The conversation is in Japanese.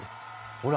ほら。